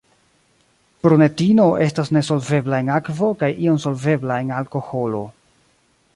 Prunetino estas nesolvebla en akvo kaj iom solvebla en alkoholo.